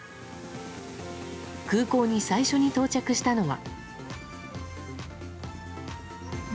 空港に最初に到着したのは。